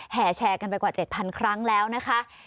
แห่แชร์กันไปกว่า๗๐๐ครั้งแล้วนะคะ